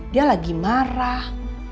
dia lagi marah